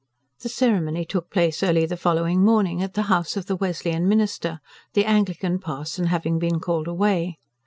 The ceremony took place early the following morning, at the house of the Wesleyan minister, the Anglican parson having been called away.